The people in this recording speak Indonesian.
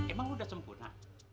emang lu udah sempurna